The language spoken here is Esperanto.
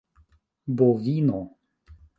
bovino